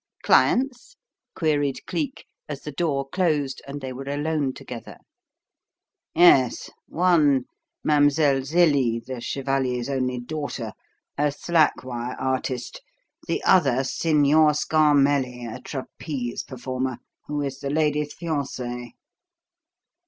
"Clients?" queried Cleek, as the door closed and they were alone together. "Yes. One, Mlle. Zelie, the 'chevalier's' only daughter, a slack wire artist; the other, Signor Scarmelli, a trapeze performer, who is the lady's fiancé."